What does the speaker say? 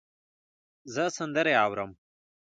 زه سندرې اورم.